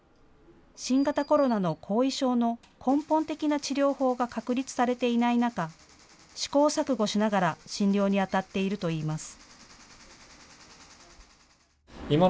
新型コロナの後遺症の根本的な治療法が確立されていない中、試行錯誤しながら診療にあたっているといいます。